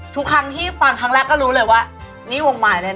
ทุกครั้งที่ฟังครั้งแรกก็รู้เลยว่านี่วงมายแน่